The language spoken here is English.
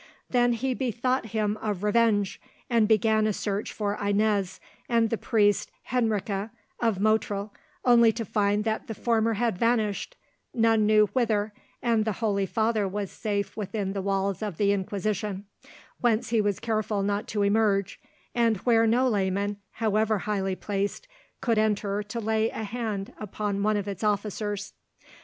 Then he bethought him of revenge, and began a search for Inez and the priest Henriques of Motril, only to find that the former had vanished, none knew whither, and the holy father was safe within the walls of the Inquisition, whence he was careful not to emerge, and where no layman, however highly placed, could enter to lay a hand upon one of its officers.